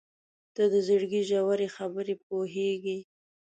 • ته د زړګي ژورې خبرې پوهېږې.